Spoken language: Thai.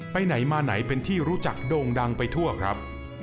ไปไหนมาไหนเป็นที่รู้จักโด่งดังไปทั่วครับ